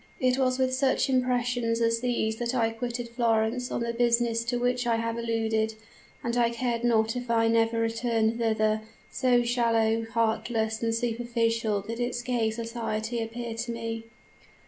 It was with such impressions as these that I quitted Florence on the business to which I have alluded: and I cared not if I never returned thither so shallow, heartless, and superficial did its gay society appear to me.